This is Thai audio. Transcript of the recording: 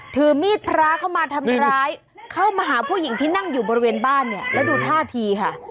ถือมีดพระเข้ามาทำร้ายเข้ามาหาผู้หญิงที่นั่งอยู่บริเวณบ้านเนี่ยแล้วดูท่าทีค่ะ